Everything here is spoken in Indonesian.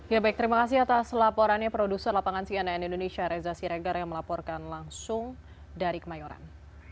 ya baik terima kasih atas laporannya produser lapangan cnn indonesia reza siregar yang melaporkan langsung dari kemayoran